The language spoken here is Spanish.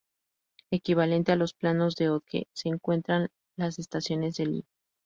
Equivalente a los Planos de Hodge se encuentran las Estaciones de Lee.